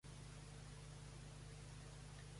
Rico pronto regresó a "SmackDown!